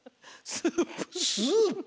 スープ？